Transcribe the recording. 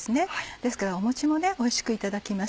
ですからもちもおいしくいただきます。